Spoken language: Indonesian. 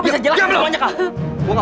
enggak enggak enggak